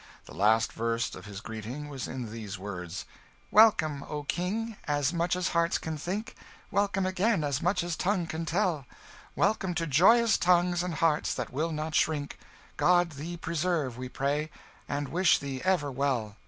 The last verse of his greeting was in these words 'Welcome, O King! as much as hearts can think; Welcome, again, as much as tongue can tell, Welcome to joyous tongues, and hearts that will not shrink: God thee preserve, we pray, and wish thee ever well.